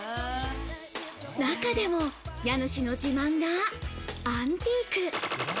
中でも家主自慢のアンティーク。